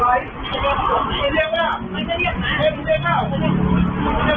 โดยเด็กละไม่ได้เรียกแล้วมันจะเรียกมา